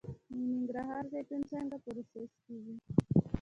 د ننګرهار زیتون څنګه پروسس کیږي؟